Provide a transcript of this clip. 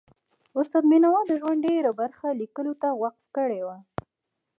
استاد بینوا د ژوند ډېره برخه لیکلو ته وقف کړي وه.